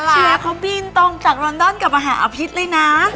เชียร์เขาบินตรงจากลอนดอนกลับมาหาอภิษเลยนะ